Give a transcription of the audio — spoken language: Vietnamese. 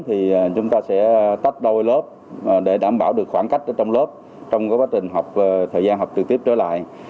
thì chúng ta sẽ tách đôi lớp để đảm bảo được khoảng cách trong lớp trong quá trình học thời gian học trực tiếp trở lại